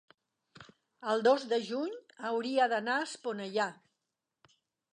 el dos de juny hauria d'anar a Esponellà.